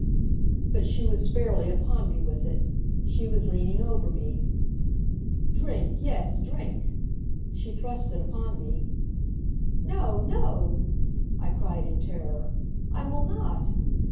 But she was fairly upon me with it. She was leaning over me. "Drink, yes, drink!" She thrust it upon me. "No, no!" I cried in terror. "I will not!"